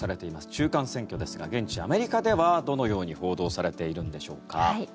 中間選挙ですが現地アメリカでは、どのように報道されているんでしょうか。